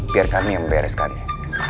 biar kami yang bereskannya